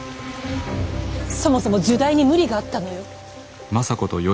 そもそも入内に無理があったのよ。